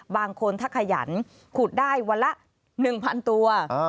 บางคนถ้าขยันขุดได้วันละ๑๐๐๐ตัว